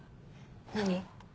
何？